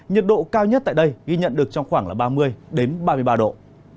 nhiệt độ cao nhất tại đây ghi nhận được trong khoảng là ba mươi ba mươi ba độ